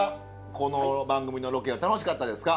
この番組のロケは楽しかったですか？